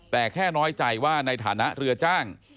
แต่แค่น้อยใจว่าในฐานะเรือจ้าง